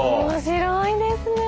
面白いですね！